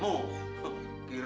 selamat datang dalek